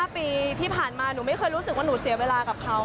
๕ปีที่ผ่านมาหนูไม่เคยรู้สึกว่าหนูเสียเวลากับเขา